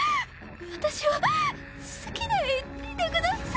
私を好きでいてください。